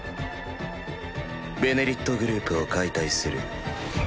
「ベネリット」グループを解体する。